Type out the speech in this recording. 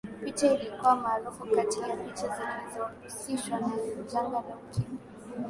picha ilikuwa maarufu kati ya picha zilizohusishwa na janga la ukimwi